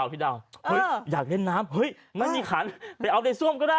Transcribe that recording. พี่ดาวอยากเล่นน้ำนั่นมีขันไปเอาในส้วมก็ได้